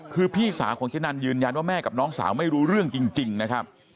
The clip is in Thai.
คือพี่สาวของเจ๊นันยืนยันว่าแม่กับน้องสาวไม่รู้เรื่องจริงนะครับ